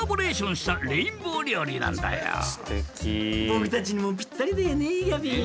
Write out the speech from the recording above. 僕たちにもぴったりだよねギャビン。